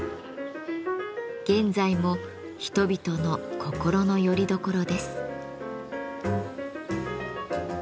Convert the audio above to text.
現在も人々の心のよりどころです。